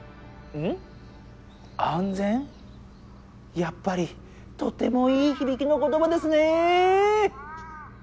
やっぱりとてもいいひびきの言葉ですねえ。